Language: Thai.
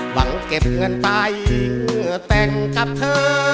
หวังเก็บเงินไปแต่งกับเธอ